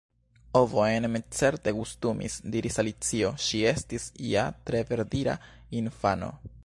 "Ovojn mi certe gustumis," diris Alicio, ŝi estis ja tre verdira infano.